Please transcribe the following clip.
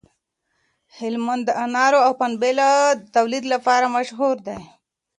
هلمند د انارو او پنبې د تولید لپاره مشهور دی.